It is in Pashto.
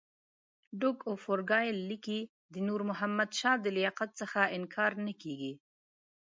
ډوک اف ارګایل لیکي د نور محمد شاه د لیاقت څخه انکار نه کېږي.